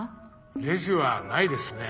レジはないですね。